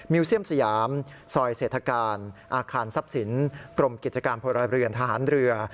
เซียมสยามซอยเศรษฐการอาคารทรัพย์สินกรมกิจการพลเรือนทหารเรือ